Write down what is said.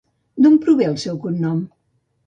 D'on prové el seu cognom?